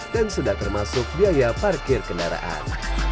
dan sudah termasuk biaya parkir kendaraan